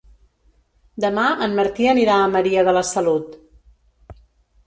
Demà en Martí anirà a Maria de la Salut.